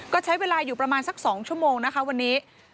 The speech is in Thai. ก็ใช้เวลาอยู่ประมาณสัก๒ชั่วโมงนะคะวันนี้